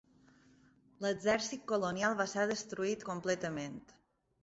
L'exèrcit colonial va ser destruït completament.